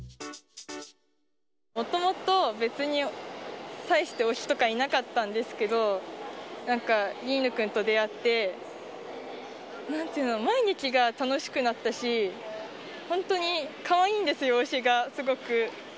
もともと別に、たいして推しとかいなかったんですけど、なんか、莉犬君と出会って、なんていうの、毎日が楽しくなったし、本当にかわいいんですよ、推しがすごく。